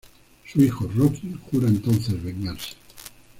Su hijo, Rocky, jura entonces vengarse.